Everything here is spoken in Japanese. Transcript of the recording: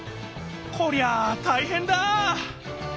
こりゃたいへんだ！